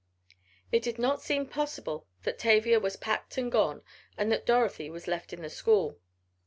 It did not seem possible that Tavia was packed and gone and that Dorothy was left in the school.